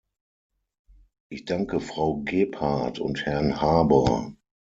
Ich danke Frau Gebhardt und Herrn Harbour.